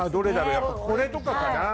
やっぱこれとかかな？